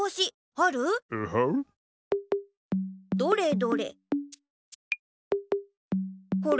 どれどれ。